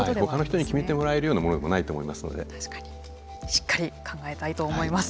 しっかり考えたいと思います。